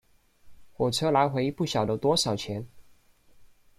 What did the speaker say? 火车来回不晓得多少钱